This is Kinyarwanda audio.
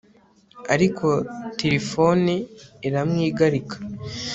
ariko tirifoni aramwigarika